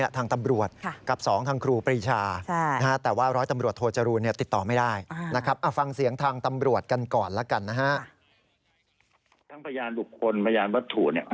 ทั้งพยานบุคคลพยานวัตถุ